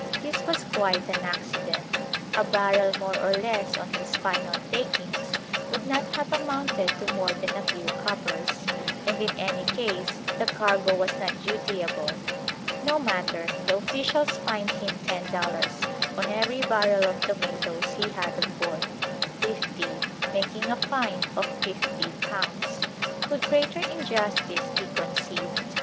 This was quite an accident. A barrel more or less on his final takings would not have amounted to more than a few coppers, and in any case the cargo was not dutiable. No matter: the officials fined him ten dollars on every barrel of tomatoes he had on board fifty making a fine of £50. Could greater injustice be conceived?